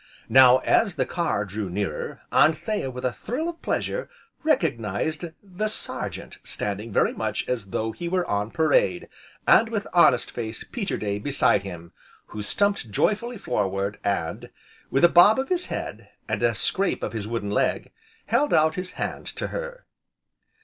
Now as the car drew nearer, Anthea, with a thrill of pleasure, recognized the Sergeant standing very much as though he were on parade, and with honest faced Peterday beside him, who stumped joyfully forward, and, with a bob of his head, and a scrape of his wooden leg, held out his hand to her.